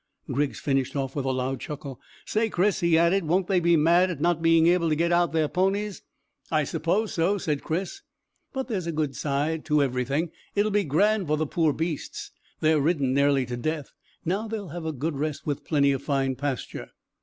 Griggs finished off with a loud chuckle. "Say, Chris," he added, "won't they be mad at not being able to get out their ponies!" "I suppose so," said Chris. "But there's a good side to everything. It'll be grand for the poor beasts. They're ridden nearly to death; now they'll have a good rest with plenty of fine pasture."